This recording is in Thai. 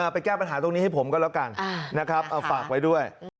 แก้ปัญหาตรงนี้ให้ผมก็แล้วกันนะครับเอาฝากไว้ด้วย